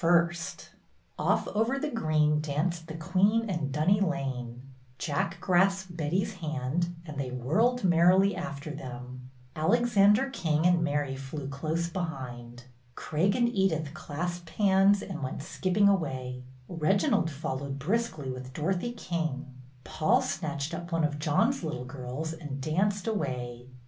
t I THE MAY DAY GAMES 8i Off over the green danced the Queen and Dunny Lane; Jack grasped Betty's hand and they whirled merrily after them; Alexander King and Mary flew close behind; Craig and Edith clasped hands and went skipping away; Reginald followed briskly with Dorothy King; Paul snatched up one of John's little girls and danced away